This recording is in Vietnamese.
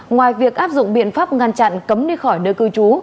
ngoài việc áp dụng biện pháp ngăn chặn cấm đi khỏi nơi cư trú